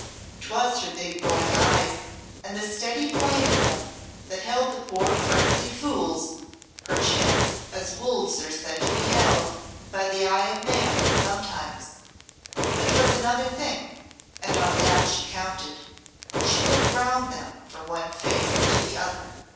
'Twas her big black eyes and the steady flame in them that held the poor frenzied fools, perchance as wolves are said to be held by the eye of man sometimes; but 'twas another thing, and on that she counted. She looked round from one face to the other.